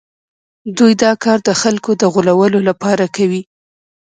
دوی دا کار د خلکو د غولولو لپاره کوي